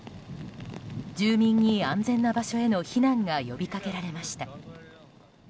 住民に安全な場所への避難が呼びかけられました。